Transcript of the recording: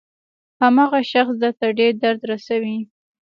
هماغه شخص درته ډېر درد رسوي.